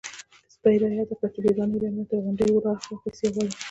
_سپي را ياده کړه چې بېګانۍ رمه تر غونډيو ورهاخوا پسې وغواړئ.